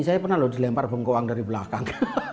saya pernah lho dilempar bengkowang dari belakang